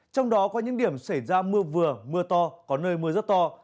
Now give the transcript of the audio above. trong đó có những điểm xảy ra mưa vừa mưa to có nơi mưa rất to